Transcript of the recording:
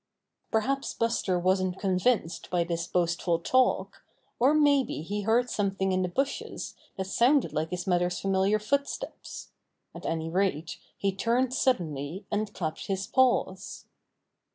Perhaps Buster wasn't convinced by this boastful talk, or may be he heard something in the bushes that sounded like his mother's familiar footsteps. At any rate, he turned suddenly, and clapped his paws.